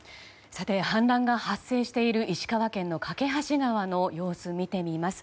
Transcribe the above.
さて氾濫が発生している石川県の梯川の様子を見てみます。